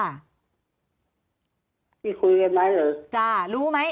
ที่คุยกันไว้หรือ